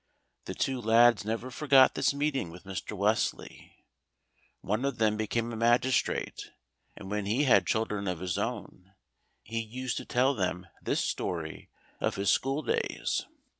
The two lads never forgot this meeting with Mr. Wesley. One of them became a magistrate, and when he had children of his own he used to tell them this story of his school days.